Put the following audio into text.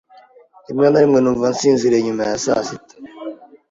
Rimwe na rimwe numva nsinziriye nyuma ya saa sita .